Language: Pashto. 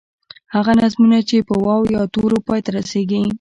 هغه نظمونه چې په واو، یا تورو پای ته رسیږي.